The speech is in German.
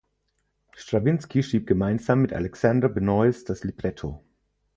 Strawinsky schrieb gemeinsam mit Alexander Benois das Libretto.